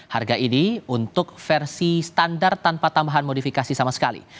harga ini untuk versi standar tanpa tambahan modifikasi sama sekali